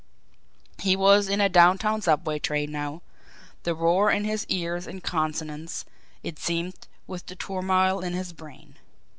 He was in a downtown subway train now the roar in his ears in consonance, it seemed, with the turmoil in his brain.